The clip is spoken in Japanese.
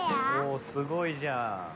おすごいじゃん。